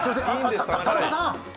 田中さん！